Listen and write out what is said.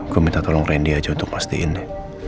gue minta tolong randy aja untuk mastiin ya